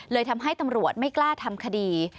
เลยทำให้ตำรวจไม่กล้าทำคดี